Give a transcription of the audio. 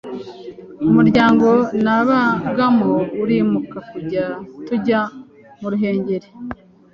umuryango nabagamo urimuka tujya mu ruhengeri